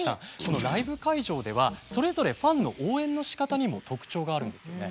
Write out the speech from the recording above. ライブ会場ではそれぞれファンの応援のしかたにも特徴があるんですよね。